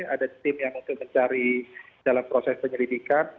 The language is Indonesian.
ada tim yang mungkin mencari dalam proses penyelidikan